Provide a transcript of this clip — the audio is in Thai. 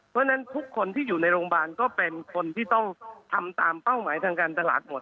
เพราะฉะนั้นทุกคนที่อยู่ในโรงพยาบาลก็เป็นคนที่ต้องทำตามเป้าหมายทางการตลาดหมด